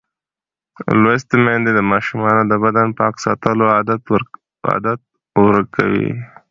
لوستې میندې د ماشومانو د بدن پاک ساتلو عادت ورکوي.